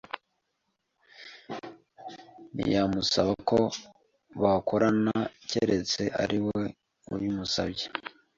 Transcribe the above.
ntiyamusaba ko bakorana cyeretse ariwe ubimusabye